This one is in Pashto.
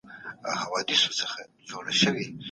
زما په ليدو دي زړګى